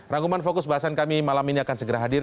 rangkuman fokus bahasan kami malam ini akan segera hadir